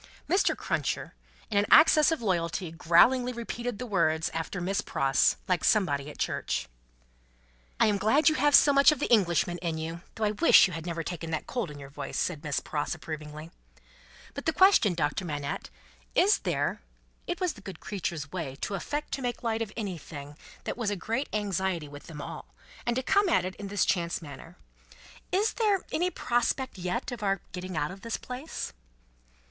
Mr. Cruncher, in an access of loyalty, growlingly repeated the words after Miss Pross, like somebody at church. "I am glad you have so much of the Englishman in you, though I wish you had never taken that cold in your voice," said Miss Pross, approvingly. "But the question, Doctor Manette. Is there" it was the good creature's way to affect to make light of anything that was a great anxiety with them all, and to come at it in this chance manner "is there any prospect yet, of our getting out of this place?"